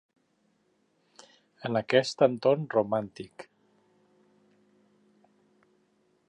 En aquest entorn romàntic.